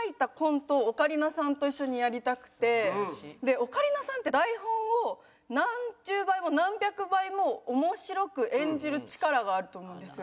オカリナさんって台本を何十倍も何百倍も面白く演じる力があると思うんですよ。